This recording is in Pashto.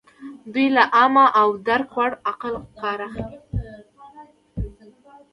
دوی له عام او د درک وړ عقل کار اخلي.